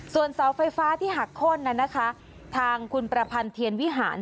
ส่วนเสาไฟฟ้าที่หักโค้นทางคุณประพันธ์เทียนวิหาร